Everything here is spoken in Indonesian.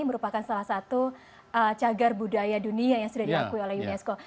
merupakan salah satu cagar budaya dunia yang sudah diakui oleh unesco